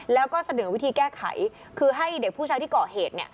แล้วก็เสนอวิธีแก้ไขคือให้เด็กผู้ชายที่เกาะเหตุ